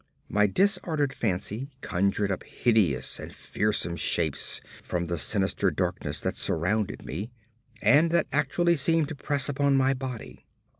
My disordered fancy conjured up hideous and fearsome shapes from the sinister darkness that surrounded me, and that actually seemed to press upon my body.